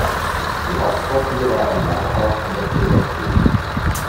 Ihr Hauptquartier war ein Lagerhaus an der "Taylor Street".